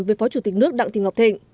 với phó chủ tịch nước đặng thị ngọc thịnh